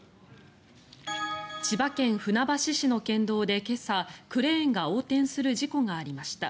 千葉県船橋市の県道で今朝クレーンが横転する事故がありました。